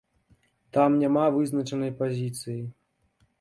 Там няма вызначанай пазіцыі.